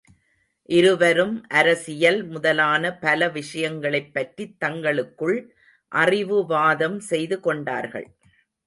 இருவரும் அரசியல் முதலான பல விஷயங்கனைப் பற்றித் தங்களுக்குள் அறிவு வாதம் செய்து கொண்டார்கள்.